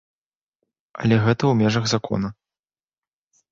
Але гэта ў межах закона.